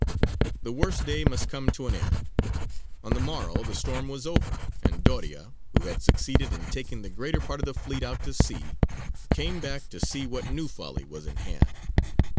The worst day must come to an end: on the morrow the storm was over, and Doria, who had succeeded in taking the greater part of the fleet out to sea, came back to see what new folly was in hand.